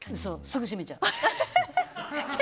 すぐ閉めちゃう。